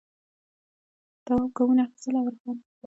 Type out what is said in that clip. تواب گامونه اخیستل او روان و.